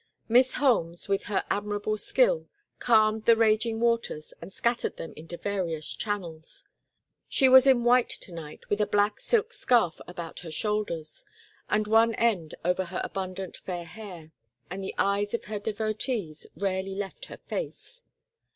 Miss Holmes with her admirable skill calmed the raging waters and scattered them into various channels. She was in white to night with a black silk scarf about her shoulders and one end over her abundant fair hair; and the eyes of her devotees rarely left her face.